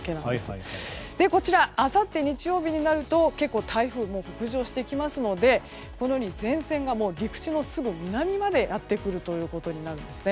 そして、あさって日曜日になると結構台風は北上してきますので、このように前線が陸地のすぐ南までやってくるということになるんですね。